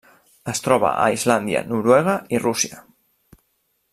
Es troba a Islàndia, Noruega i Rússia.